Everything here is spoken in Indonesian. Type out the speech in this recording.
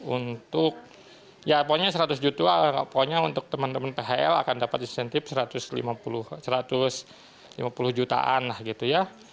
untuk ya pokoknya seratus juta pokoknya untuk teman teman phl akan dapat insentif satu ratus lima puluh jutaan lah gitu ya